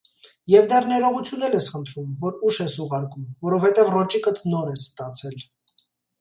և դեռ ներողություն էլ ես խնդրում, որ ուշ ես ուղարկում, որովհետև ռոճիկդ նոր ես ստացել…